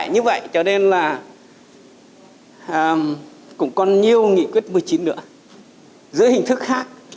như vậy cho nên là cũng còn nhiều nghị quyết một mươi chín nữa dưới hình thức khác